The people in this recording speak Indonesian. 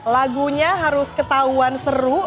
lagunya harus ketahuan seru